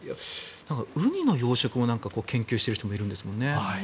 ウニの養殖を研究している人もいるんですよね。